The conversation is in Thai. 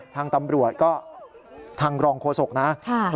ทางตำรวจก็ทางรองโฆษกนะ